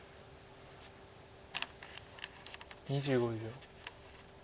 ２５秒。